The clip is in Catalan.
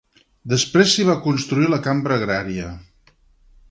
Després s'hi va construir la Cambra Agrària.